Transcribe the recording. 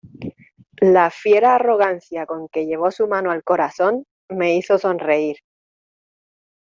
la fiera arrogancia con que llevó su mano al corazón, me hizo sonreír